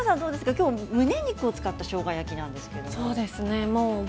今日はむね肉を使ったしょうが焼きなんですがどうですか？